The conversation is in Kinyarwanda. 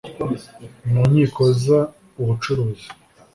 Mu nkiko z ubucuruzi